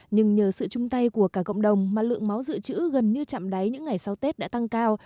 nhưng nhờ sự chung tay của cả cộng đồng mà lượng máu dự trữ gần như chạm đáy những ngày sau tết đã tăng cao